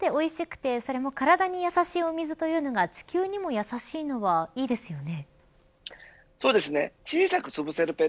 飲んでおいしくて、それも体に優しいお水というのが地球にもやさしいのはいいですよね。